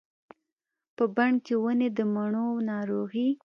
په بڼ کې ونې د مڼو، ناروغې